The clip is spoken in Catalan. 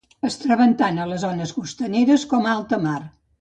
Es troben tant a les zones costaneres com a alta mar.